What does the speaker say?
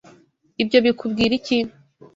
Ibyo bikubwira iki?